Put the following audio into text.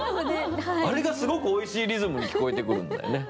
あれがすごくおいしいリズムに聞こえてくるんだよね。